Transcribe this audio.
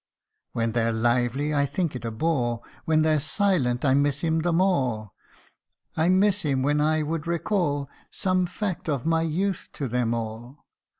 227 When they're lively, I think it a bore ; When they're silent, I miss him the more. I miss him when I would recall Some fact of my youth to them all.